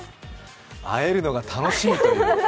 会えるのが楽しみという。